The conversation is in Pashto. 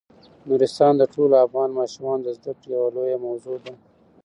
نورستان د ټولو افغان ماشومانو د زده کړې یوه لویه موضوع ده.